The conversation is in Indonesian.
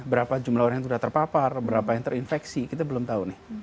berapa jumlah orang yang sudah terpapar berapa yang terinfeksi kita belum tahu nih